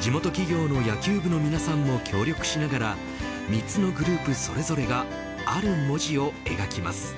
地元企業の野球部の皆さんも協力しながら３つのグループそれぞれがある文字を描きます。